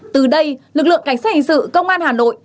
từ đây lực lượng cảnh sát hình sự công an hà nội